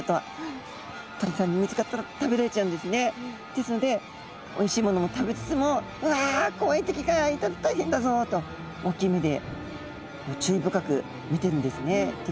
ですのでおいしいものも食べつつも「うわ怖い敵がいたら大変だぞ！」と大きい目で注意深く見てるんですね敵も。